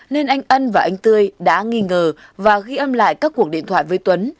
nên anh ân và anh tươi đã nghi ngờ và ghi âm lại các cuộc điện thoại với tuấn